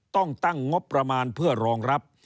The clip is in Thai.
ต้องตั้งงบประมาณเพื่อรองรับ